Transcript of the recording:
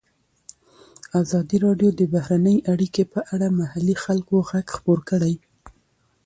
ازادي راډیو د بهرنۍ اړیکې په اړه د محلي خلکو غږ خپور کړی.